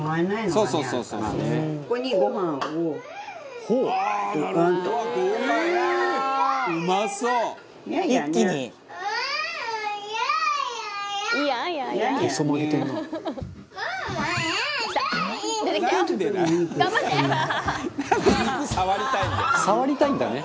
中丸：触りたいんだね。